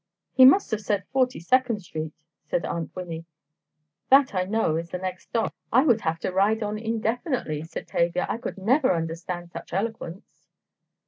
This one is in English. "He must have said Forty second Street," said Aunt Winnie, "that I know is the next stop." "I would have to ride on indefinitely," said Tavia, "I could never understand such eloquence."